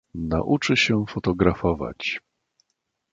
"Nauczy się fotografować."